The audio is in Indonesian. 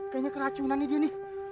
kayaknya keracunan nih dia nih